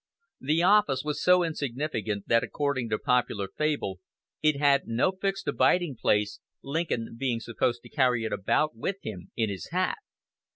The office was so insignificant that according to popular fable it had no fixed abiding place, Lincoln being supposed to carry it about with him in his hat!